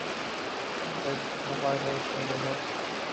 It serves Narvarte neighbourhood.